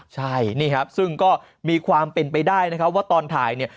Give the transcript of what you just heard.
ใช่นี่ครับซึ่งก็มีความเป็นไปได้นะครับว่าตอนถ่ายเนี่ย